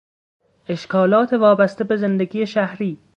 اشکالات وابسته به زندگی شهری